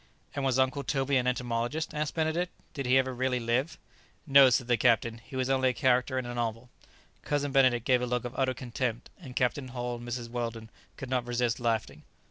"And was Uncle Toby an entomologist?" asked Benedict; "did he ever really live?" "No," said the captain, "he was only a character in a novel." Cousin Benedict gave a look of utter contempt, and Captain Hull and Mrs Weldon could not resist laughing.